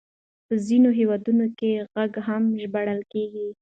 په ځينو هېوادونو کې غږ هم ژباړل کېږي.